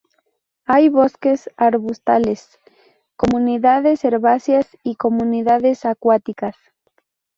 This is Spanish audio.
Hay bosques, arbustales, comunidades herbáceas y comunidades acuáticas.